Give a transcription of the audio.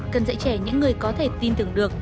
cần dạy trẻ những người có thể tin tưởng được